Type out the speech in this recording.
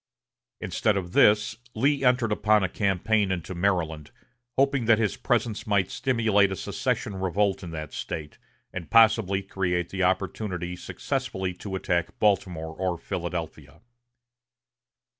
Instead of this, Lee entered upon a campaign into Maryland, hoping that his presence might stimulate a secession revolt in that State, and possibly create the opportunity successfully to attack Baltimore or Philadelphia.